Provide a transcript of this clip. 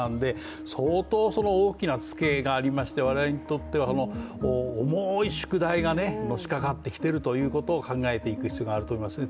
相当、大きなツケがありまして我々にとっては重い宿題がのしかかってきているということを考えていく必要があると思いますね。